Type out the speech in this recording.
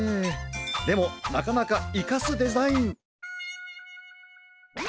でもなかなかイカすデザイン。